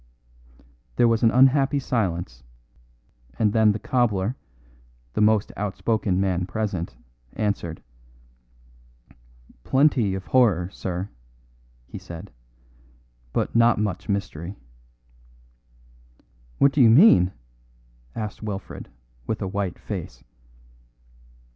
There was an unhappy silence; and then the cobbler, the most outspoken man present, answered: "Plenty of horror, sir," he said; "but not much mystery." "What do you mean?" asked Wilfred, with a white face.